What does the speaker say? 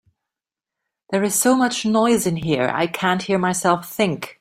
There is so much noise in here, I can't hear myself think.